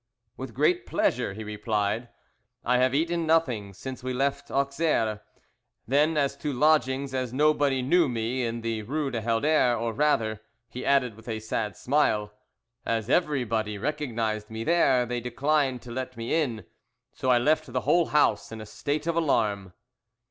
"With great pleasure," he replied. "I have eaten nothing since we left Auxerre. Then, as to lodgings, as nobody knew me in the Rue de Helder, or rather," he added, with a sad smile, "as everybody recognized me there, they declined to let me in, so I left the whole house in a state of alarm."